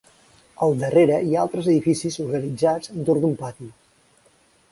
Al darrere hi ha altres edificis organitzats entorn d'un pati.